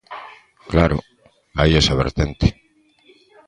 Claro, hai esa vertente.